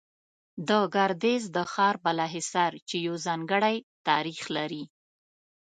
د ګردېز د ښار بالا حصار، چې يو ځانگړى تاريخ لري